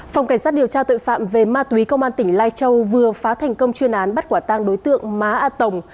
phòng cảnh sát điều tra tội phạm về ma túy công an tỉnh lai châu vừa phá thành công chuyên án bắt quả tang đối tượng má a tổng